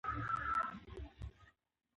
سیلانی ځایونه د افغانانو د ژوند طرز اغېزمنوي.